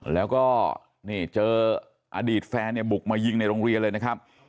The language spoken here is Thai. แล้วก็เจออดีตแฟนบุกมายิงในโรงเรียเลยนะครับ